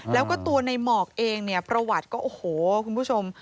แล้วก็ตัวในหมอกเองเนี่ยประวัติก็โอ้โหคุณผู้ชม